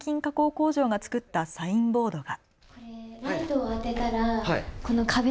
工場が作ったサインボードが。